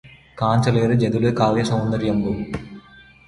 కాంచలేరు జడులు కావ్య సౌందర్యంబు